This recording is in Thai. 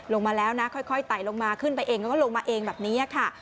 ลงมาแล้วนะค่อยไต่ลงมาขึ้นไปเองแล้วก็ลงมาเองแบบนี้ค่ะ